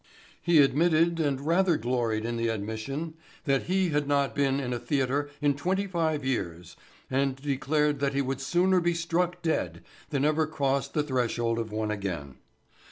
He admitted, and rather gloried in the admission, that he had not been in a theatre in twenty five years and declared that he would sooner be struck dead than ever cross the threshold of one again.